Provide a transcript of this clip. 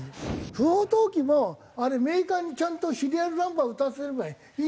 不法投棄もあれメーカーにちゃんとシリアルナンバー打たせればいいのに。